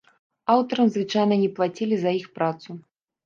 Аўтарам звычайна не плацілі за іх працу.